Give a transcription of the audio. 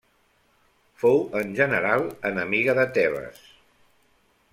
Fou en general enemiga de Tebes.